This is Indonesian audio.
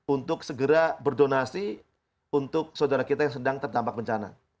untuk segera berdonasi untuk saudara kita yang sedang terdampak bencana